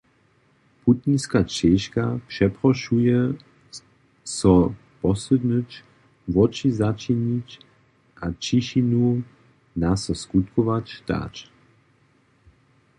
Putniska chěžka přeprošuje so posydnyć, woči začinić a ćišinu na so skutkować dać.